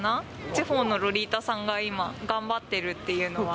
地方のロリータさんが今、頑張ってるっていうのは。